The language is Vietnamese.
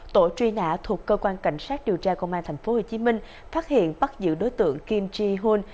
tổ truy nã thuộc cơ quan cảnh sát điều tra công an tp hcm phát hiện bắt giữ đối tượng kim ji hun